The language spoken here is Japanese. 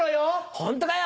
ホントかよ？